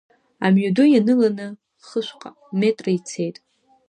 Амҩаду ианыланы хышәҟа метра ицеит.